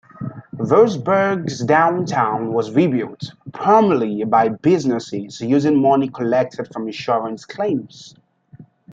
Roseburg's downtown was rebuilt, primarily by businesses using money collected from insurance claims.